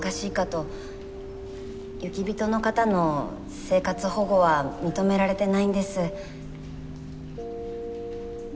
雪人の方の生活保護は認められてないんです。